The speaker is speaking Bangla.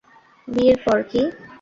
বিয়ের পর, - কি?